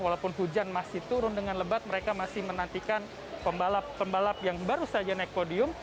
walaupun hujan masih turun dengan lebat mereka masih menantikan pembalap pembalap yang baru saja naik podium